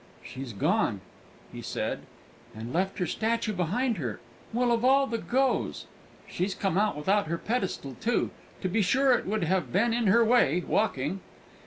"She's gone," he said, "and left her statue behind her! Well, of all the goes She's come out without her pedestal, too! To be sure, it would have been in her way, walking."